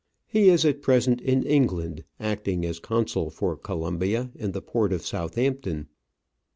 He is at present in England acting as Consul for Colombia in the port of Southampton.